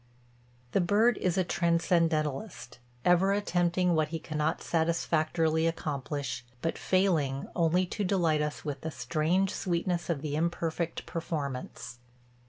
The bird is a transcendentalist, ever attempting what he cannot satisfactorily accomplish, but failing, only to delight us with the strange sweetness of the imperfect performance.